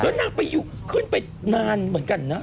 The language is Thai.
นางไปอยู่ขึ้นไปนานเหมือนกันนะ